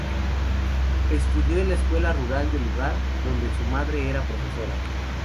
Estudió en la escuela rural del lugar, donde su madre era profesora.